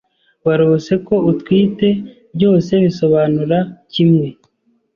warose ko utwite byose bisobanura kimwe.